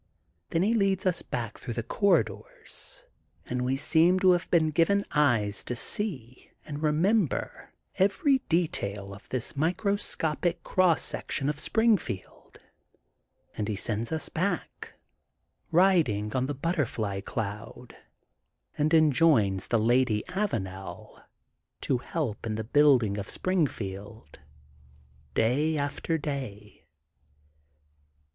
Then he leads us back through the corridors and we seem to have been given eyes to see and remember every detail of the microscopic cross section of Springfield and he sends us back riding on the butterfly cloud, and enjoins the Lady THE GOLDEN BOOK OF SPRINGFIELD 268 Avanel to help in the building of Springfield, day after day.